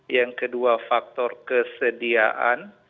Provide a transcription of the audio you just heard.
yang kedua faktor kesediaan